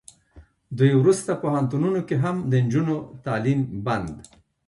دوی ورسته پوهنتونونو کې هم د نجونو تعلیم بند